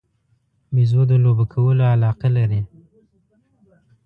بیزو د لوبو کولو علاقه لري.